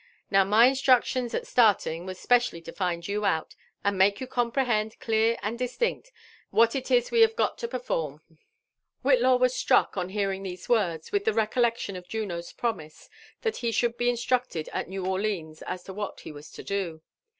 Now my instructions at starting was specially to find you out, and make you comprehend clear and distinct what it is we have got to perform." Whitlaw was struck, on hearing these words, with the recollection of Juno's promise that he should be instructed at New Orleans as to what he was to do.